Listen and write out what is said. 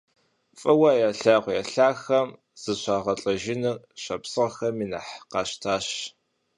ФӀыуэ ялъагъу я лъахэм зыщагъэлӀэжыныр шапсыгъхэми нэхъ къащтащ.